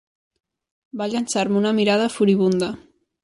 Va llançar-me una mirada furibunda.